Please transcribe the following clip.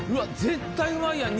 絶対うまいやん！